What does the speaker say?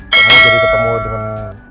kamu jadi ketemu dengan